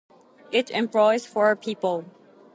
It employs four people.